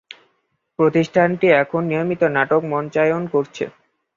প্রতিষ্ঠানটি এখন নিয়মিত নাটক মঞ্চায়ন করছে।